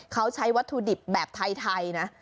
เขาใช้วัตถุดิบแบบไทยนะ